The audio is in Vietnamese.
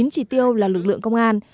một mươi chín chỉ tiêu là lực lượng công an